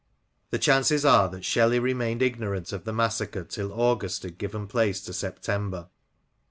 The chances are that Shelley remained ignorant of the massacre till August had given place to September.